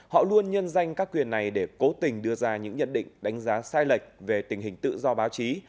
họ luôn nhân danh các quyền này để cố tình đưa ra những nhận định đánh giá sai lệch về tình hình tự do báo chí